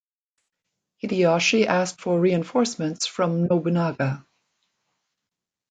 Hideyoshi asked for reinforcements from Nobunaga.